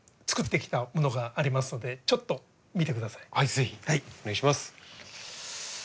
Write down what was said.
ぜひお願いします。